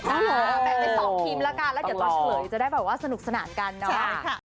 แปลงไป๒ทีแล้วกันเดี๋ยวตัวเฉยจะได้สนุกสนานกันนะว่า